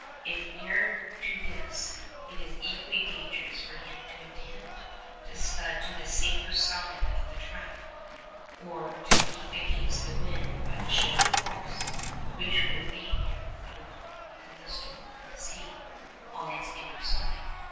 If near to this, it is equally dangerous for him to attempt to scud to the safer side of the track, or to beat against the wind by the shorter course, which would lead him out of the storm ⊂ on its inner side.